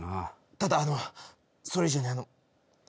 ただあのそれ以上に。